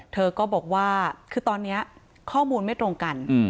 เธอก็บอกว่าคือตอนนี้ข้อมูลไม่ตรงกัน